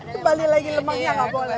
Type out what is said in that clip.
itu bali lagi lemaknya nggak boleh